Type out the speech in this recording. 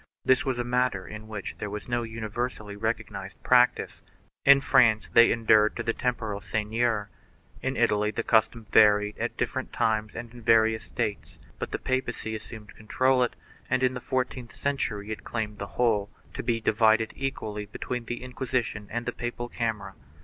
This was a matter in which there was no universally recognized prac tice. In France they enured to the temporal seigneur. In Italy the custom varied at different times and in the various states, but the papacy assumed to control it and, in the fourteenth cen tury, it claimed the whole, to be divided equally between the Inquisition and the papal camera.